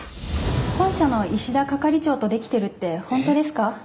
本社の石田係長とデキてるって本当ですか？